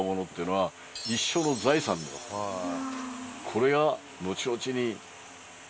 これが後々に。